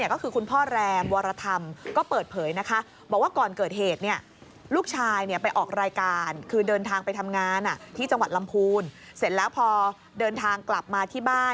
ก็คือคุณพ่อแรมวรธรรมก็เปิดเผยนะคะ